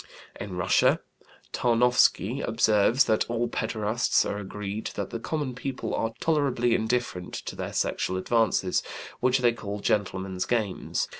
In Russia, Tarnowsky observes that all pederasts are agreed that the common people are tolerably indifferent to their sexual advances, which they call "gentlemen's games."